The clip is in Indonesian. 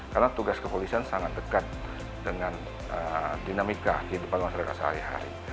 karena tugas kepolisian sangat dekat dengan dinamika kehidupan masyarakat sehari hari